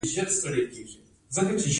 د ترنک سیند په زابل کې دی